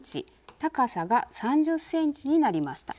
高さが３０ｃｍになりました。